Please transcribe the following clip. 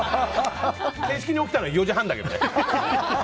正式に起きたのは４時半だけどね。